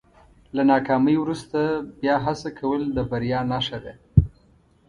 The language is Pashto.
له ناکامۍ وروسته بیا هڅه کول د بریا نښه ده.